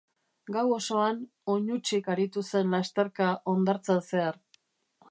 Gau osoan, oinutsik aritu zen lasterka hondartzan zehar.